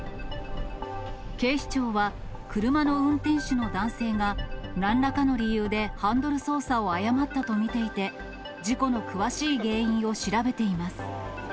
警視庁は、車の運転手の男性がなんらかの理由で、ハンドル操作を誤ったと見ていて、事故の詳しい原因を調べています。